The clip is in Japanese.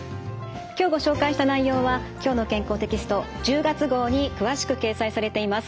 今日ご紹介した内容は「きょうの健康」テキスト１０月号に詳しく掲載されています。